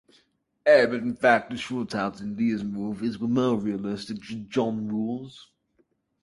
But in fact the shootouts in Lee's movies were more realistic than John Woo's.